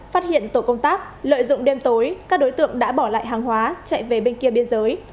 phát hiện tổ công tác lợi dụng đêm tối các đối tượng đã bỏ lại hàng hóa chạy về bên kia biên giới